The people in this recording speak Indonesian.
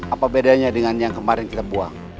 apa bedanya dengan yang kemarin kita buang